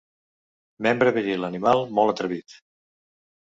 Membre viril animal molt atrevit.